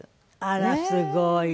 あらすごい。